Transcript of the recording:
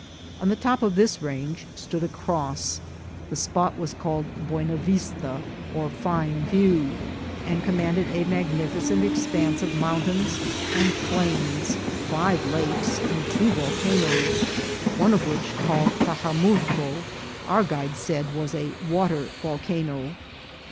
On the top of this range stood a cross. The spot was called Buena Vista, or Fine View, and commanded a magnificent expanse of mountains and plains, five lakes and two volcanoes, one of which, called Tajamulco, our guide said was a water volcano.